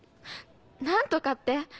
何とかって？